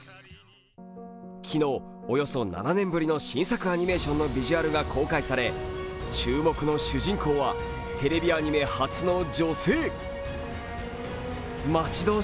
昨日およそ７年ぶりの新作アニメーションのビジュアルが公開され注目の主人公はテレビアニメ初の女性。